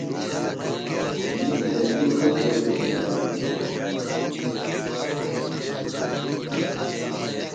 نِس تھےۡ وی بہ گوئی تھی اٹِیڑ۔